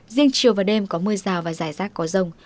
riêng chiều và đêm có mưa rào và rải rác có rông